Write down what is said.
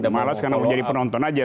malas karena jadi penonton aja